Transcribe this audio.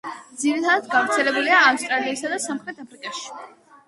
ძირითადად გავრცელებულია ავსტრალიასა და სამხრეთ აფრიკაში.